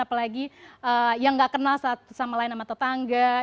apalagi yang gak kenal sama lain sama tetangga